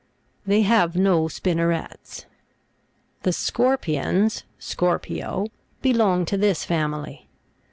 They have no spinnerets. 27. The SCOBPIONS Scorpio (fig. 58) belong to this family.